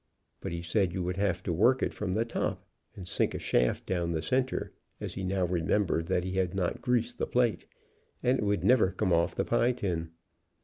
But he said you would have to work it from the top and sink a shaft down the center, as he now remembered that he had not greased the plate, and it would never come off the pie tin.